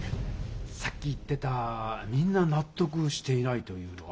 さっき言ってた「みんななっとくしていない」というのは？